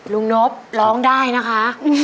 นบร้องได้นะคะ